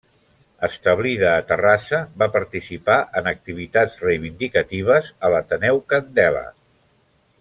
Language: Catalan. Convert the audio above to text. Establida a Terrassa, va participar en activitats reivindicatives a l'Ateneu Candela.